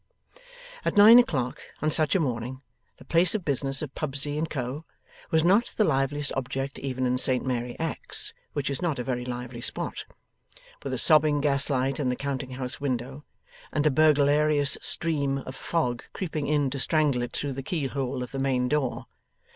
At nine o'clock on such a morning, the place of business of Pubsey and Co. was not the liveliest object even in Saint Mary Axe which is not a very lively spot with a sobbing gaslight in the counting house window, and a burglarious stream of fog creeping in to strangle it through the keyhole of the main door.